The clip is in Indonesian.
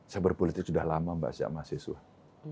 saya berpolitik sudah lama mbak sjakma sesuai